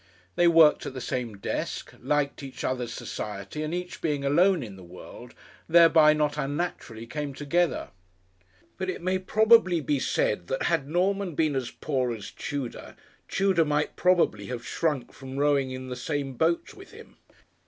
They worked at the same desk, liked each other's society, and each being alone in the world, thereby not unnaturally came together. But it may probably be said that had Norman been as poor as Tudor, Tudor might probably have shrunk from rowing in the same boat with him.